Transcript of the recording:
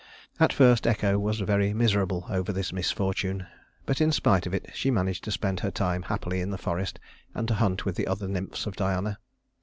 At first Echo was very miserable over this misfortune; but in spite of it she managed to spend her time happily in the forest, and to hunt with the other nymphs of Diana.